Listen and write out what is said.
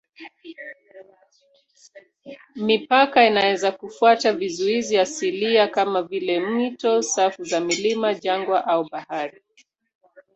Mipaka inaweza kufuata vizuizi asilia kama vile mito, safu za milima, jangwa au bahari.